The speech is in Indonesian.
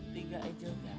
jangan pun jahat